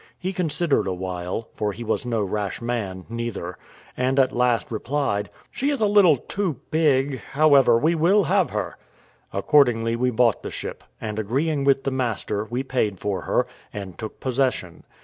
He considered a while, for he was no rash man neither; and at last replied, "She is a little too big however, we will have her." Accordingly, we bought the ship, and agreeing with the master, we paid for her, and took possession.